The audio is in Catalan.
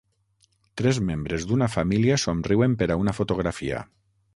Tres membres d'una família somriuen per a una fotografia.